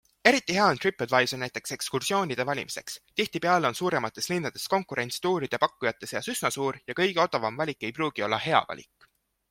Eriti hea on TripAdvisor näiteks ekskursioonide valimiseks - tihtipeale on suuremates linnades konkurents tuuride pakkujate seas üsna suur ja kõige odavam valik ei pruugi olla hea valik.